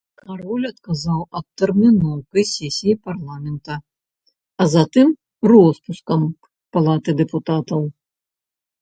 Кароль адказваў адтэрміноўкай сесіі парламента, а затым роспускам палаты дэпутатаў.